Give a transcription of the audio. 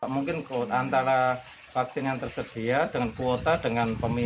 mungkin antara vaksin yang tersedia dengan kuota dengan pemilik